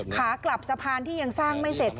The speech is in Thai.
ขากลับสะพานที่ยังสร้างไม่เสร็จ